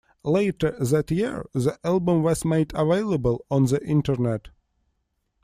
Later that year, the album was made available on the Internet.